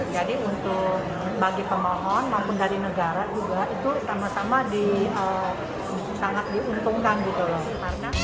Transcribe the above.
jadi untuk bagi pemohon maupun dari negara juga itu sama sama sangat diuntungkan gitu loh